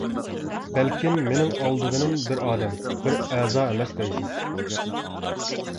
بەلكىم مىنىڭ ئالىدىغىنىم بىر ئادەم، بىر ئەزا ئەمەس دەيسىز.